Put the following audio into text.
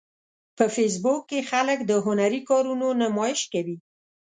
په فېسبوک کې خلک د هنري کارونو نمایش کوي